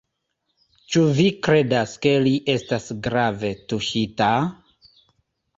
Ĉu vi kredas, ke li estas grave tuŝita?